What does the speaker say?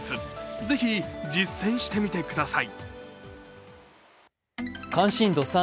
ぜひ実践してみてください。